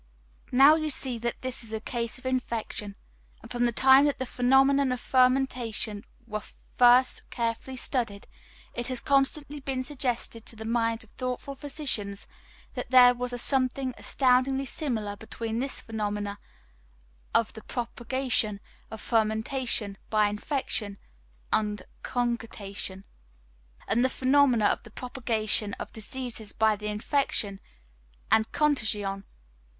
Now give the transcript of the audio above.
Now you see that this is a case of infection. And from the time that the phenomenon of fermentation were first carefully studied, it has constantly been suggested to the minds of thoughtful physicians that there was a something astoundingly similar between this phenomena of the propagation of fermentation by infection and contagion, and the phenomena of the propagation of diseases by infection and contagion.